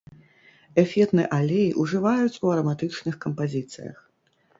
Эфірны алей ўжываюць у араматычных кампазіцыях.